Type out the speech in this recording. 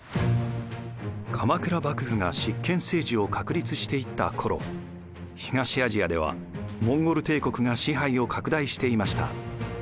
鎌倉幕府が執権政治を確立していった頃東アジアではモンゴル帝国が支配を拡大していました。